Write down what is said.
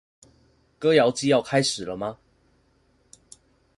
歌謠祭要開始了嗎